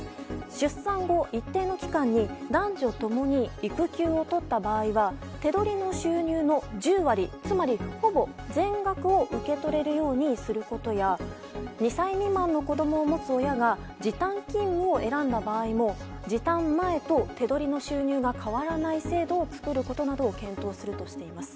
出産後、一定の期間に男女ともに育休をとった場合は手取りの収入の１０割つまり、ほぼ全額を受け取れるようにすることや２歳未満の子供を持つ親が時短勤務を選んだ場合も時短前と手取りの収入が変わらない制度を作ることなどを検討するとしています。